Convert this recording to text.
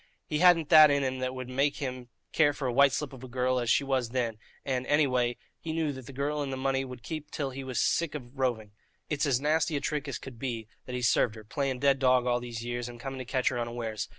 He hadn't that in him that would make him care for a white slip of a girl as she was then, and, any way, he knew that the girl and the money would keep till he was sick of roving. It's as nasty a trick as could be that he's served her, playing dead dog all these years, and coming to catch her unawares.